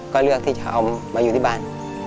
ก็เลือกที่จะเอามาอยู่ที่บ้าน